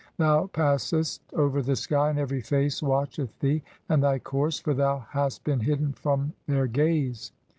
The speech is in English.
Thou passest over the sky, and every face watcheth "thee (17) and thy course, for thou hast been hidden from their "gaze.